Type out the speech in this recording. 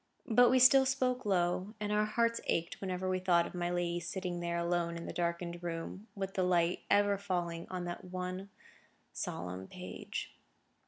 But we still spoke low, and our hearts ached whenever we thought of my lady sitting there alone in the darkened room, with the light ever falling on that one solemn page.